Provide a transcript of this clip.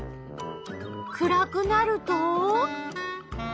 暗くなると？